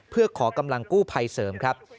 เพื่อขอกำลังกู้ภัยเสริมครับ